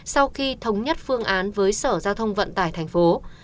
sau khi thống nhất phương án với sở giao thông vận tải tp hcm